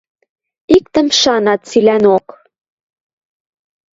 Иктӹм шанат цилӓнок: